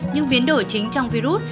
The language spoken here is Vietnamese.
những biến đổi chính trong virus